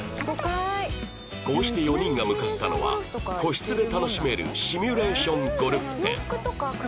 こうして４人が向かったのは個室で楽しめるシミュレーションゴルフ店